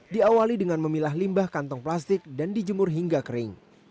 diawali dengan memilah limbah kantong plastik dan dijemur hingga kering